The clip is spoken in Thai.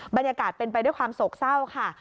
บรรยากาศเป็นไปด้วยความโศกเศร้าค่ะ